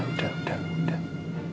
udah udah udah